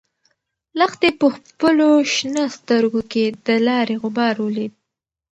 لښتې په خپلو شنه سترګو کې د لارې غبار ولید.